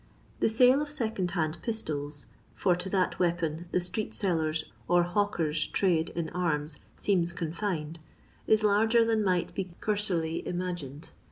Thb sale of second hand pistols, for to that weapon the street sellers' or hawkers' trade in arms seems confined, is larger than might be cursorily ima gined.